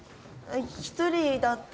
１人だった。